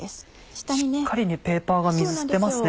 しっかりペーパーが水吸ってますね。